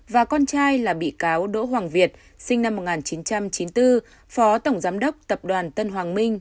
và con trai là bị cáo đỗ hoàng việt sinh năm một nghìn chín trăm chín mươi bốn phó tổng giám đốc tập đoàn tân hoàng minh